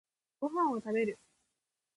ご飯を食べる。